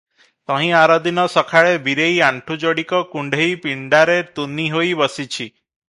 ତହିଁ ଆରଦିନ ସଖାଳେ ବୀରେଇ ଆଣ୍ଠୁ ଯୋଡିକ କୁଣ୍ଢେଇ ପିଣ୍ଡାରେ ତୁନି ହୋଇ ବସିଛି ।